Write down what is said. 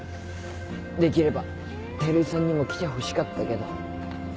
できれば照井さんにも来てほしかったけど。